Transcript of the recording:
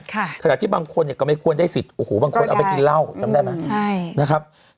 ขนาดที่บางคนก็ไม่ควรได้สิทธิ์บางคนเอาไปกินเหล้าจำได้ไหม